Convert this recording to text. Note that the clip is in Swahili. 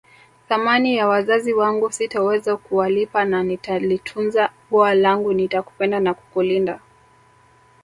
Thamani ya wazazi wangu sitoweza kuwalipa na nitalitunza ua langu nitakupenda na kukulinda